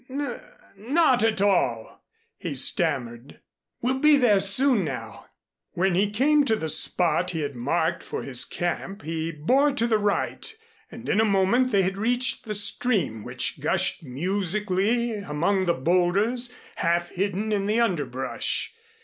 "N not at all," he stammered. "We'll be there soon now." When he came to the spot he had marked for his camp, he bore to the right and in a moment they had reached the stream which gushed musically among the boulders, half hidden in the underbrush.